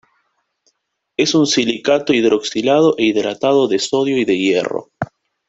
Es un silicato hidroxilado e hidratado de sodio y de hierro.